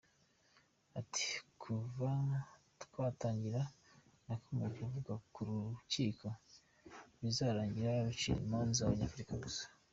Ati “Kuva rwatangira nakomeje kuvuga ko uru rukiko bizarangira rucira imanza Abanyafurika gusa.